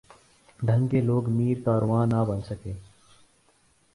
ڈھنگ کے لوگ میر کارواں نہ بن سکے۔